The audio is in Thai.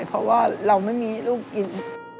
เพราะว่าเราไม่มีลูกกิน